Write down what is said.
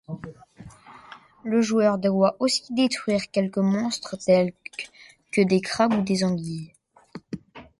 Le joueur doit aussi détruire quelques monstres tels que des crabes ou des anguilles.